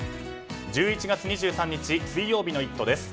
１１月２３日水曜日の「イット！」です。